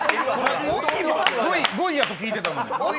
Ｖやと聞いてたのに。